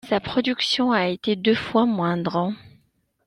Sa production a été deux fois moindre.